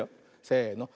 せの。